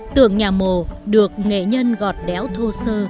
tượng nhà mồ được nghệ nhân gọt đéo thô sơ